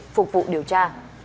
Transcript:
phục vụ điều tra